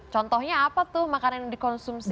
contohnya apa tuh makanan yang dikonsumsi